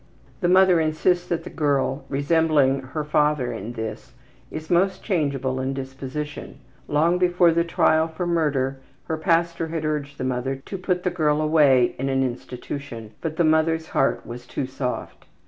The mother insists that the girl, resembling her father in this, is most changeable in disposition. Long before the trial for murder her pastor had urged the mother to put the girl away in an institution, but the mother's heart was too soft.